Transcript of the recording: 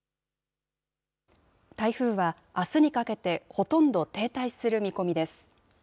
台風はあすにかけてほとんど停滞する見込みです。